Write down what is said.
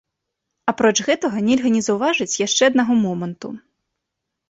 Апроч гэтага нельга не заўважыць яшчэ аднаго моманту.